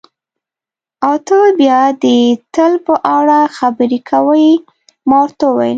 او ته بیا د تل په اړه خبرې کوې، ما ورته وویل.